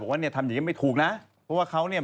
ว่าเนี่ยทำอย่างงี้ไม่ถูกนะเพราะว่าเขาเนี่ย